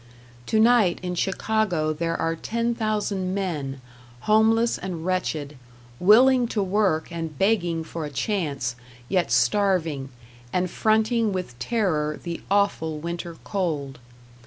Tonight in Chicago there are ten thousand men, homeless and wretched, willing to work and begging for a chance, yet starving, and fronting with terror the awful winter cold!